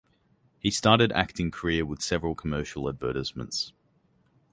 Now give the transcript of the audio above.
He started acting career with several commercial advertisements.